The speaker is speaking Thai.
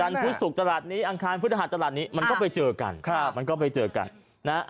จันทรุดสุขตลาดนี้อังคารพืชอาหารตลาดนี้มันก็ไปเจอกัน